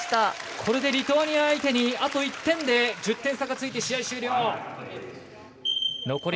これでリトアニア相手にあと１点で１０点差がついて試合終了。